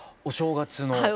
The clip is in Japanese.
お正月の？